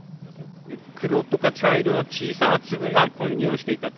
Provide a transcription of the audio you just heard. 黒とか茶色の小さな粒が混入をしていたと。